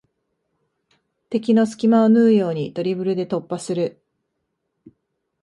敵の隙間を縫うようにドリブルで突破する